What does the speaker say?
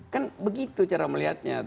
kan begitu cara melihatnya